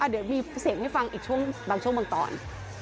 เดี๋ยวมีเสียงให้ฟังอีกช่วงบางช่วงบางตอน